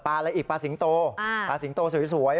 อะไรอีกปลาสิงโตปลาสิงโตสวย